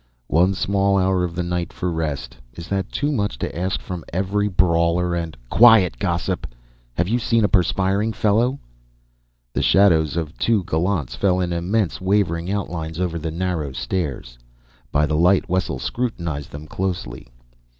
"One small hour of the night for rest. Is that too much to ask from every brawler and " "Quiet, gossip! Have you seen a perspiring fellow?" The shadows of two gallants fell in immense wavering outlines over the narrow stairs; by the light Wessel scrutinized them closely.